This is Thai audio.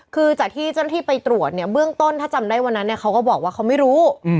คือจากที่เจ้าหน้าที่ไปตรวจเนี่ยเบื้องต้นถ้าจำได้วันนั้นเนี่ยเขาก็บอกว่าเขาไม่รู้